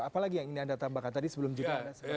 apalagi yang ini anda tambahkan tadi sebelum juga